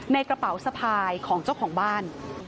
กระเป๋าสะพายของเจ้าของบ้าน